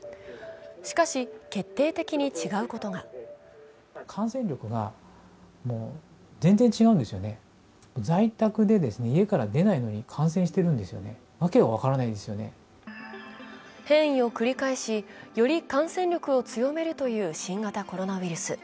しかし決定的に違うことが変異を繰り返しより感染力を強めるという新型コロナウイルス。